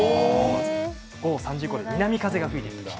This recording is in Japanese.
午後３時ごろ南風が吹いている日。